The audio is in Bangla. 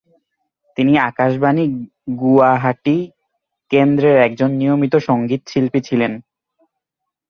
তিনি আকাশবাণী গুয়াহাটি কেন্দ্রের একজন নিয়মিত সংগীত শিল্পী ছিলেন।